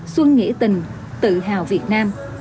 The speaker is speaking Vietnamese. xuân nghĩa tình tự hào việt nam